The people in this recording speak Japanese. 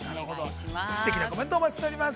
◆すてきなコメントをお待ちしております。